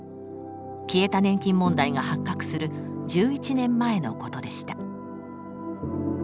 消えた年金問題が発覚する１１年前のことでした。